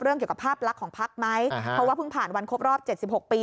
เกี่ยวกับภาพลักษณ์ของพักไหมเพราะว่าเพิ่งผ่านวันครบรอบ๗๖ปี